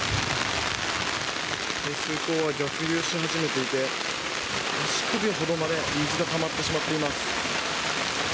排水溝が逆流し始めていて足首ほどまで水がたまってしまっています。